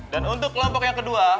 dan untuk kelompok yang kedua